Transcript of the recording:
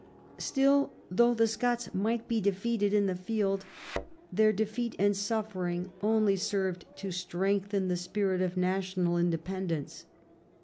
(Still, though the Scots might be defeated in the field, their defeat and suffering only served to strengthen the spirit of national independence.